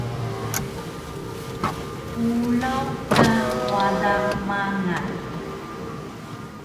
Ulaw ka wada mangal